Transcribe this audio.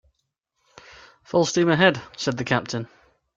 "Full steam ahead," said the captain.